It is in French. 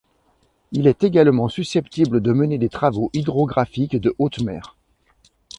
Il est également susceptible de mener des travaux hydrographiques de haute mer.